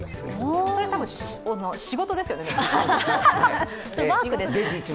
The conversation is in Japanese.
それ多分仕事ですよね？